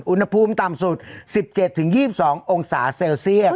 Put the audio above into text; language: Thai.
อุณหภูมิต่ำสุดสิบเจ็ดถึงยี่สิบสององสาเซลเซียส